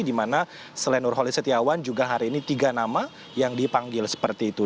di mana selain nurholis setiawan juga hari ini tiga nama yang dipanggil seperti itu